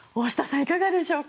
いかがでしょうか。